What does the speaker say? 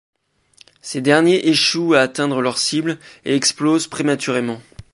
Ces derniers échouent à atteindre leurs cibles et explosent prématurément.